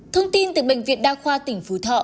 thông tin từ bệnh viện đa khoa tỉnh phú thọ